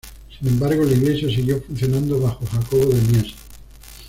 Sin embargo, la iglesia siguió funcionando bajo Jacobo de Mies.